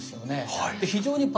はい。